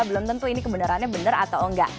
belum tentu ini kebenarannya benar atau enggak